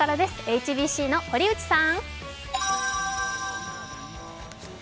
ＨＢＣの堀内さん。